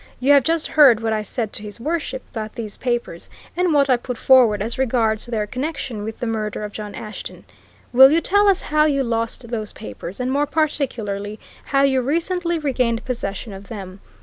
You have just heard what I said to His Worship about these papers, and what I put forward as regards their connection with the murder of John Ashton? Will you tell us how you lost those papers, and more particularly, how you recently regained possession of them?